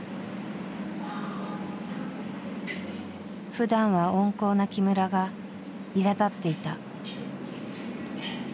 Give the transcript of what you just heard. ふだんは温厚な木村がいらだっていた。